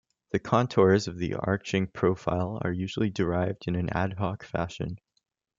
The contours of the arching profile are usually derived in an ad hoc fashion.